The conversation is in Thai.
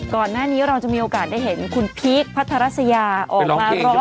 ก่อนหน้านี้เราจะมีโอกาสได้เห็นคุณพีคพัทราสยาไปร้องเพลงหรือเปล่า